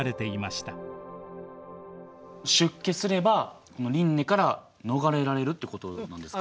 出家すれば輪廻から逃れられるってことなんですか？